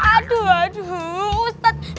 aduh aduh ustadz